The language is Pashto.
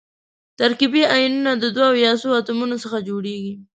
ترکیبي ایونونه د دوو یا څو اتومونو څخه جوړیږي.